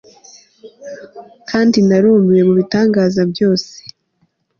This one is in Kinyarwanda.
kandi narumiwe mubitangaza byose